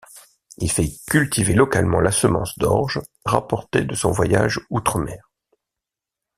Il fait cultiver localement la semence d’orge rapportée de son voyage outre-mer.